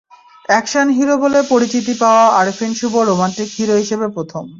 Action hero বলে পরিচিতি পাওয়া আরেফিন শুভ রোমান্টিক হিরো হিসেবে প্রথম।